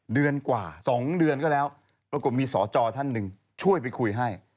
เดือนกว่า๒เดือนก็แล้วปรากฏมีสอจอท่านหนึ่งช่วยไปคุยให้